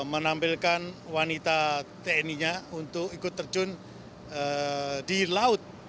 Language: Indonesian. menampilkan wanita tni nya untuk ikut terjun di laut